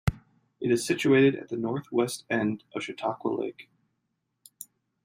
It is situated at the northwest end of Chautauqua Lake.